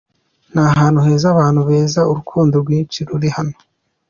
Ni ahantu heza, abantu beza, urukundo rwinshi ruri hano.